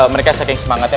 mereka saking semangatnya